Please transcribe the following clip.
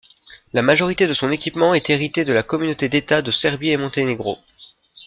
La majorité de son équipement est héritée de la Communauté d'États de Serbie-et-Monténégro.